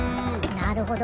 なるほど。